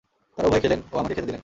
তাঁরা উভয়ে খেলেন ও আমাকে খেতে দিলেন।